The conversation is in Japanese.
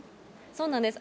そうなんです。